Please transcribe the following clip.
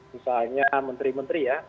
misalnya menteri menteri ya